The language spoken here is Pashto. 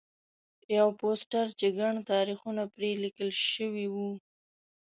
یو پوسټر چې ګڼ تاریخونه پرې لیکل شوي وو.